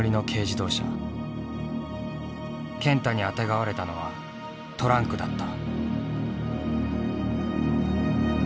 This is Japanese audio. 健太にあてがわれたのはトランクだった。